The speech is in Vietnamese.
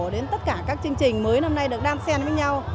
đến tất cả các chương trình mới năm nay được đan sen với nhau